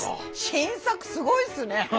新作すごいっすね。